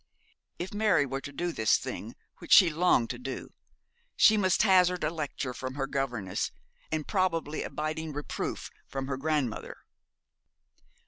If Mary were to do this thing, which she longed to do, she must hazard a lecture from her governess, and probably a biting reproof from her grandmother.